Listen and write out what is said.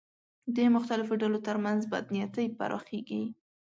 د مختلفو ډلو تر منځ بدنیتۍ پراخېږي